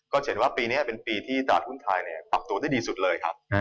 จะเห็นว่าปีนี้เป็นปีที่ตลาดหุ้นไทยปรับตัวได้ดีสุดเลยครับ